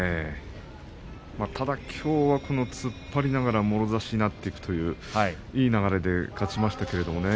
ただきょうは突っ張りながらもろ差しになっていくといういい流れで勝ちました。